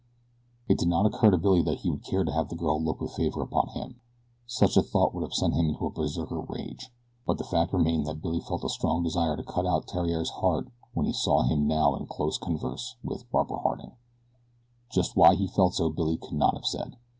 It did not occur to Billy that he would care to have the girl look with favor upon him. Such a thought would have sent him into a berserker rage; but the fact remained that Billy felt a strong desire to cut out Theriere's heart when he saw him now in close converse with Barbara Harding just why he felt so Billy could not have said.